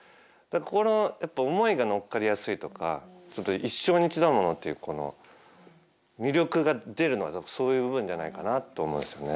この思いが乗っかりやすいとか一生に一度のものっていうこの魅力が出るのは多分そういう部分じゃないかなと思うんですよね。